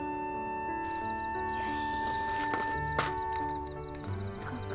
よし。